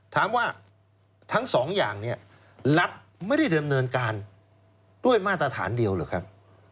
ถามว่าทั้งสองอย่างนี้รัฐไม่ได้ดำเนินการด้วยมาตรฐานเดียวหรือครับ